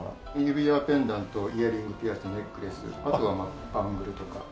指輪ペンダントイヤリングピアスネックレスあとはバングルとか。